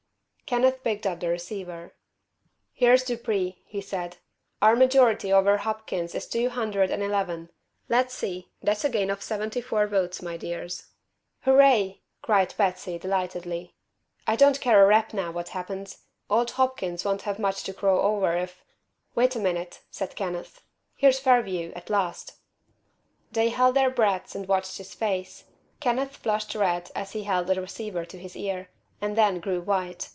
Kenneth picked up the receiver. "Here's Dupree," he said. "Our majority over Hopkins is two hundred and eleven. Let's see, that's a gain of seventy four votes, my dears." "Hooray!" cried Patsy, delightedly. "I don't care a rap now, what happens. Old Hopkins won't have much to crow over if " "Wait a minute," said Kenneth. "Here's Fairview, at last!" They held their breaths and watched his face. Kenneth flushed red as he held the receiver to his ear, and then grew white.